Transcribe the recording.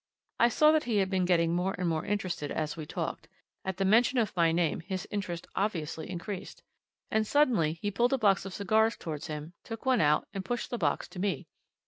I saw that he had been getting more and more interested as we talked at the mention of my name his interest obviously increased. And suddenly he pulled a box of cigars towards him, took one out, and pushed the box to me.